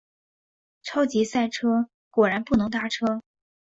超级塞车，果然不能搭车